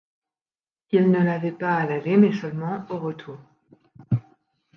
Ils ne l'avaient pas à l'aller mais seulement au retour.